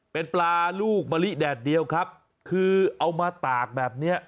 เป็นปลาลูกมะลิแดดเดียวครับคือเอามาตากแบบเนี้ย